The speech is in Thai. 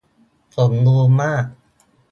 สมบูรณ์มาก !